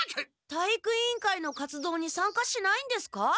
体育委員会の活動にさんかしないんですか？